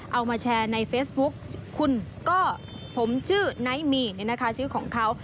เอามาแชร์ในเฟซบุ๊กคุณก็ผมชื่อไนท์มีชื่อของเขา